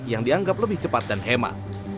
yang dianggap lebih cepat dan hemat